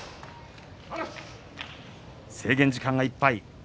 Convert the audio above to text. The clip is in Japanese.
制限時間がいっぱい。